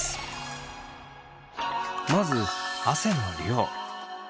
まず汗の量。